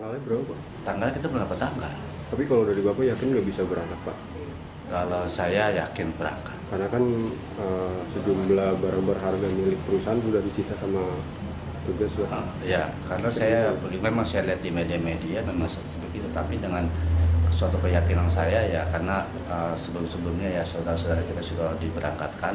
memang saya lihat di media media tapi dengan suatu keyakinan saya karena sebelum sebelumnya ya seluruh seluruh kita sudah diberangkatkan